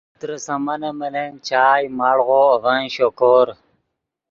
ترے سامانف ملن چائے، مڑغو اڤن شوکور